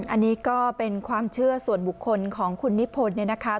อันนี้ก็เป็นความเชื่อส่วนบุคคลของคุณนิพนธ์เนี่ยนะคะ